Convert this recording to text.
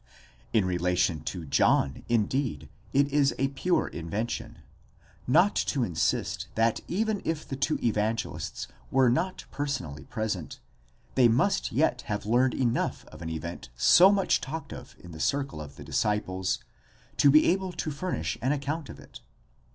In relation to John indeed it is a pure invention; not to insist, that even if the two Evangelists were not personally present, they must yet have learned enough of an event so much talked of in the circle of the disciples, to be able to furnish an account of it.